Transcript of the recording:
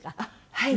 はい。